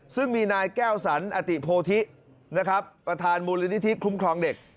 ซึ่งมีนายแก้วสันอติโพธินะครับประธานมูลนิธิคุ้มครองเด็ก